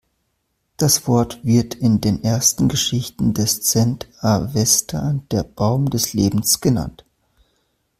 Das Wort wird in den ersten Geschichten des Zend-Avesta der Baum des Lebens genannt.